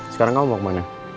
sekarang kamu mau kemana